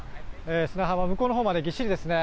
砂浜、向こうのほうまでぎっしりですね。